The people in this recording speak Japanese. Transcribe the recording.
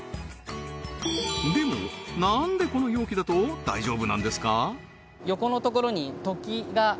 でも何でこの容器だと大丈夫なんですか？